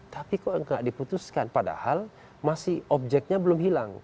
tapi kok nggak diputuskan padahal masih objeknya belum hilang